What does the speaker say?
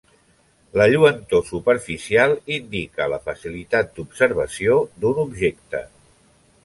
La lluentor superficial indica la facilitat d'observació d'un objecte.